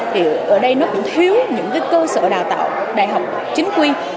thì ở đây nó cũng thiếu những cơ sở đào tạo đại học chính quy